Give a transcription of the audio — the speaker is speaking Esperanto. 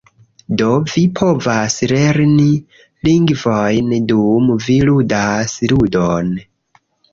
Do, vi povas lerni lingvojn dum vi ludas ludon